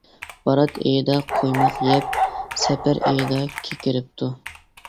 بارات ئېيىدا قۇيماق يەپ، سەپەر ئېيىدا كېكىرىپتۇ.